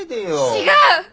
違う！